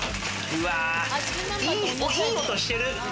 いい音してる！